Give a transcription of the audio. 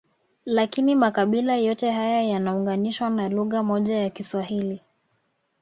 Lakini makabila yote haya yanaunganishwa na lugha moja ya Kiswahili